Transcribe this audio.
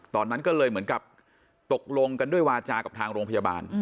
ตอนนั้นก็เลยเหมือนกับตกลงกันด้วยวาจากับทางโรงพยาบาล